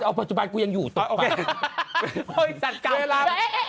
เออเอาปัจจุบันกูยังอยู่ตรงนั้น